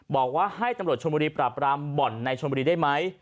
บอกว่าให้ตำรวจชมบุรีปราบรามบ่อนในชนบุรีได้ไหม